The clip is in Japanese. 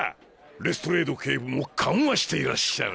レストレード警部も緩和していらっしゃる。